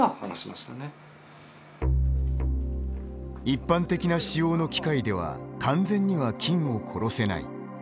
一般的な仕様の機械では完全には菌を殺せない。